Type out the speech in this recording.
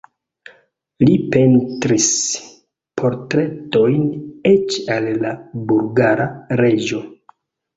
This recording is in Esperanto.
Li pentris portretojn eĉ al la bulgara reĝo.